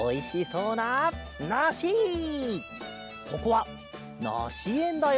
ここはなしえんだよ。